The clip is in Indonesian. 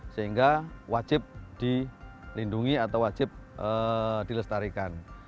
sehingga wajib dilindungi atau wajib dilestarikan